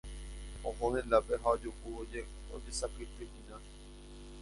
Oho hendápe ha ojuhu ojesakytýhina.